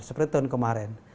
seperti tahun kemarin